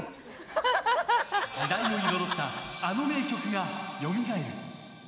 時代を彩ったあの名曲がよみがえる。